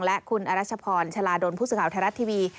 และคุณอรัชพรชาลาดลผู้สื่อข่าวไทยรัฐทีวี